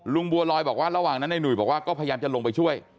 บัวลอยบอกว่าระหว่างนั้นในหนุ่ยบอกว่าก็พยายามจะลงไปช่วย